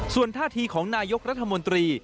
ส่วนท่าทีของนายกรัฐมนตรี